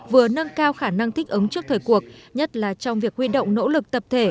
vừa nâng cao khả năng thích ứng trước thời cuộc nhất là trong việc huy động nỗ lực tập thể